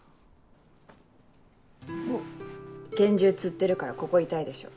拳銃つってるからここ痛いでしょ。